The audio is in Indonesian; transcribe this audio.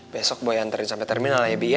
besok boy anterin sampe terminal ya bibi ya